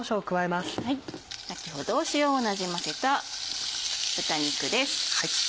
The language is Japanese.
先ほど塩をなじませた豚肉です。